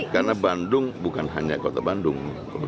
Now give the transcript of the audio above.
karena bandung bukan hanya kota bandung